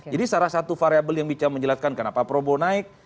jadi salah satu variable yang bisa menjelaskan kenapa prabowo naik